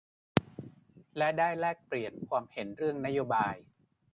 และได้แลกเปลี่ยนความเห็นเรื่องนโยบาย